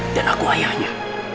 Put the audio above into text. dan aku ayahnya